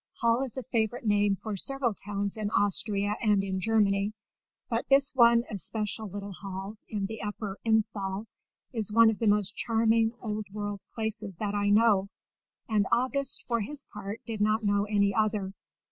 Hall is a favourite name for several towns in Austria and in Germany; but this one especial little Hall, in the Upper Innthal, is one of the most charming Old World places that I know, and August for his part did not know any other.